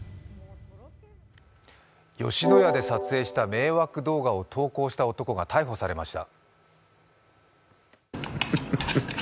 吉野家で撮影した迷惑動画を投稿した男が逮捕されました。